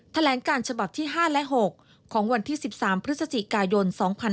แถลงการฉบับที่๕และ๖ของวันที่๑๓พฤศจิกายน๒๕๕๙